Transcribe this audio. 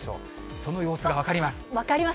その様子が分かります。